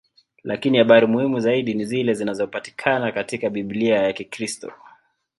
Lakini habari muhimu zaidi ni zile zinazopatikana katika Biblia ya Kikristo.